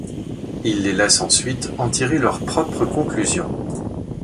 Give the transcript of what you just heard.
Il les laisse ensuite en tirer leurs propres conclusions.